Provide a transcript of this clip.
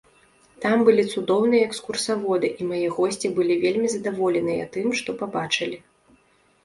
Там былі цудоўныя экскурсаводы, і мае госці былі вельмі задаволеныя тым, што пабачылі.